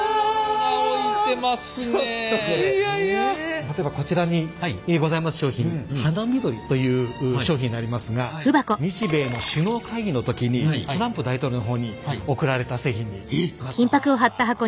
例えばこちらにございます商品「花見鳥」という商品になりますが日米の首脳会議の時にトランプ大統領の方に贈られた製品になっております。